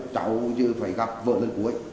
cháu phải gặp vợ lần cuối